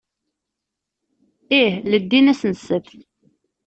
Ih, leddin ass n ssebt.